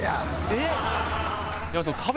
えっ？